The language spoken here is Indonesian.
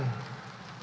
pada bagian akhir